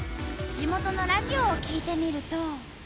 地元のラジオを聞いてみると。